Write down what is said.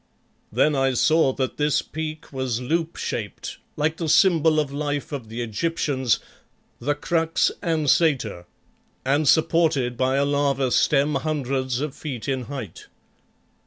Then I saw that this peak was loop shaped like the symbol of Life of the Egyptians the crux ansata and supported by a lava stem hundreds of feet in height.